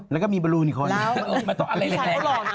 แล้วก็มีบรูนอีกคนนึง